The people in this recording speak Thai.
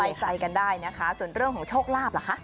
ใจกันได้นะคะส่วนเรื่องของโชคลาภล่ะคะ